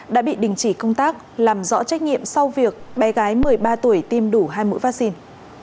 đã bị đình chỉ công tác làm rõ trách nhiệm sau việc bé gái một mươi ba tuổi tiêm đủ hai mũi vaccine